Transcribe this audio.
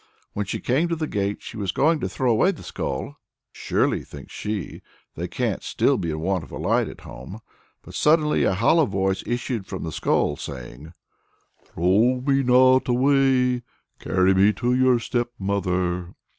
When she came to the gate, she was going to throw away the skull. "Surely," thinks she, "they can't be still in want of a light at home." But suddenly a hollow voice issued from the skull, saying: "Throw me not away. Carry me to your stepmother!"